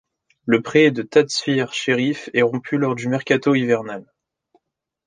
Le prêt de Tafsir Chérif est rompu lors du mercato hivernal.